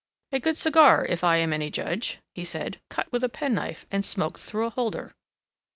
"A good cigar, if I am any judge," he said, "cut with a penknife, and smoked through a holder."